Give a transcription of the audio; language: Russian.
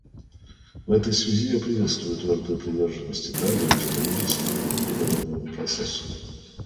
В этой связи я приветствую твердую приверженность Италии межправительственному переговорному процессу.